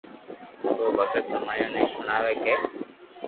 تو او ڀگت سمايو ني ھڻاوي ڪي